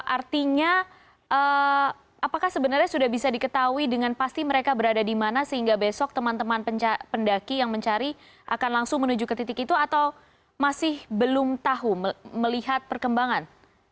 artinya apakah sebenarnya sudah bisa diketahui dengan pasti mereka berada di mana sehingga besok teman teman pendaki yang mencari akan langsung menuju ke titik itu atau masih belum tahu melihat perkembangan